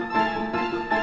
jam empat lagi